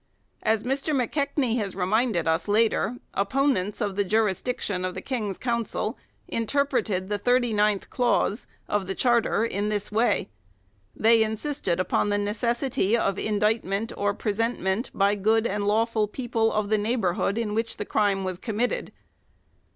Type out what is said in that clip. As Mr. McKechnie has reminded us, later, opponents of the jurisdiction of the King's council interpreted the thirty ninth clause, of the Charter in this way. They insisted upon the necessity of indictment or presentment by good and lawful people of the neighbourhood in which the crime was committed.